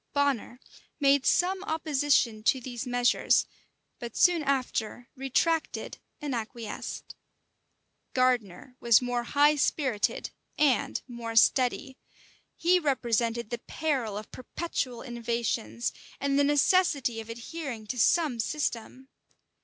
Bonner made some opposition to these measures; but soon after retracted and acquiesced. Gardiner was more high spirited and more steady. He represented the peril of perpetual innovations, and the necessity of adhering to some system.